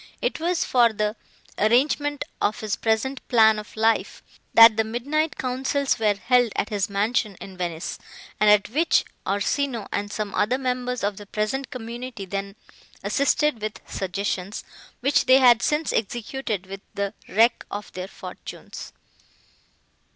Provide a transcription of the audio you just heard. It was for the arrangement of his present plan of life, that the midnight councils were held at his mansion in Venice, and at which Orsino and some other members of the present community then assisted with suggestions, which they had since executed with the wreck of their fortunes.